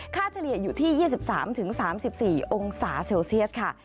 เฉลี่ยอยู่ที่๒๓๓๔องศาเซลเซียสค่ะ